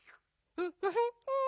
フフフン！